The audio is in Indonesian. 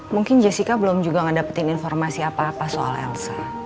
mungkin jessica belum juga mendapatkan informasi apa apa soal elsa